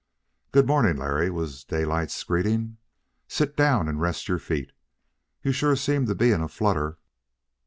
"Good morning, Larry," was Daylight's greeting. "Sit down and rest your feet. You sure seem to be in a flutter."